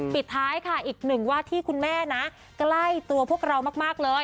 ปิดท้ายอีกนึงวาดที่คุณแม่ใกล้ตัวพวกเรามาก